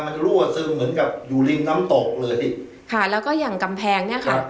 มันรั่วซึมเหมือนกับอยู่ริมน้ำตกเลยค่ะแล้วก็อย่างกำแพงเนี้ยค่ะ